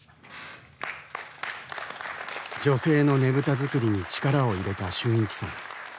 女性のねぶた作りに力を入れた春一さん。